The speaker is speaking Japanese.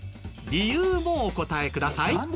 理由もお答えください。